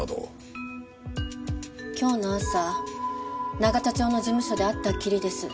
今日の朝永田町の事務所で会ったきりです。